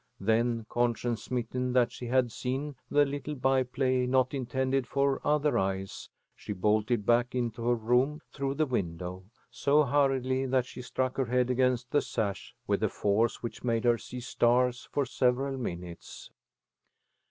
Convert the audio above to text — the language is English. Then, conscience smitten that she had seen the little by play not intended for other eyes, she bolted back into her room through the window, so hurriedly that she struck her head against the sash with a force which made her see stars for several minutes.